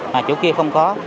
mà chỗ kia không có